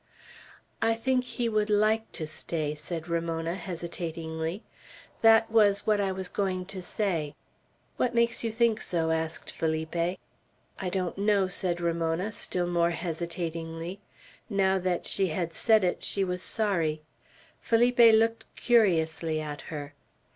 "I think he would like to stay," said Ramona, hesitatingly. "That was what I was going to say." "What makes you think so?" asked Felipe. "I don't know," Ramona said, still more hesitatingly. Now that she had said it, she was sorry. Felipe looked curiously at her.